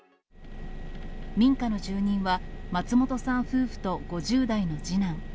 民家の住人は、松本さん夫婦と５０代の次男。